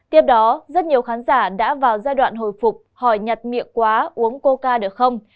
tiếp đó rất nhiều khán giả đã vào giai đoạn hồi phục hỏi nhặt miệng quá uống cô ca được không